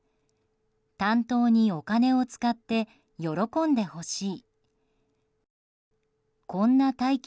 担当にお金を使って喜んでほしい。